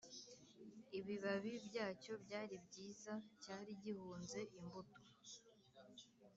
Ibibabi byacyo byari byiza cyari gihunze imbuto